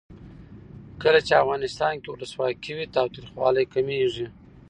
کله چې افغانستان کې ولسواکي وي تاوتریخوالی کمیږي.